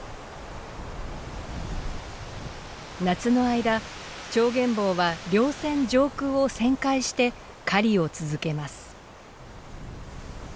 夏の間チョウゲンボウは稜線上空を旋回して狩りを続けます。